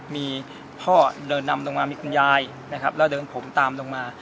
มีพ่อเดินนำลงมามีคุณยายนะครับแล้วเดินผมตามลงมา